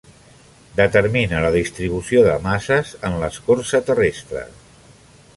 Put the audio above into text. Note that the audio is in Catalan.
Determina la distribució de masses en l'escorça terrestre.